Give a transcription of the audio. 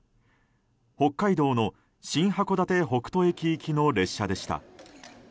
北海道の新函館北斗駅行きの列車でした。